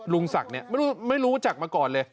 ลุงศักดิ์เนี่ยไม่รู้จักมาก่อนเลย